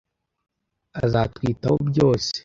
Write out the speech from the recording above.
Azatwitaho byose.